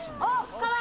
かわいい。